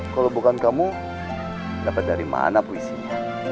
kalau bukan kamu dapat dari mana puisinya